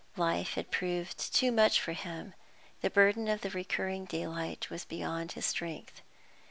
Life had proved too much for him; the burden of the recurring daylight was beyond his strength.